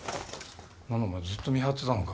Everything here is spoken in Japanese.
何だお前ずっと見張ってたのか？